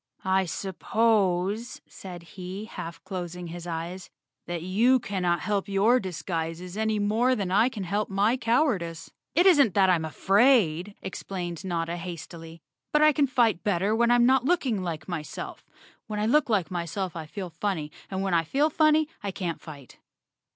"I suppose," said he, half closing his eyes, "that you cannot help your disguises any more than I can help my cowardice." "It isn't that I am afraid," explained Notta hastily, "but I can fight better when I'm not looking like myself. When I look like myself I feel funny and when I feel funny, I can't fight."